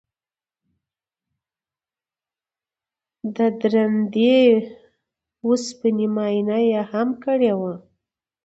د درندې وسپنې معاینه یې هم کړې وه